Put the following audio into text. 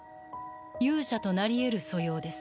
勇者となりえる素養です。